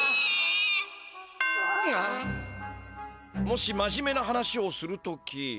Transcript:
もし真面目な話をする時。